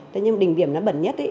thế nhưng đỉnh điểm nó bẩn nhất